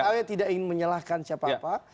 saya tidak ingin menyalahkan siapa apa